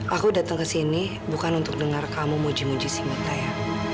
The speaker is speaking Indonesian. aku datang ke sini bukan untuk dengar kamu muji muji si mita ya